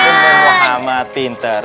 dengan muhammad tintar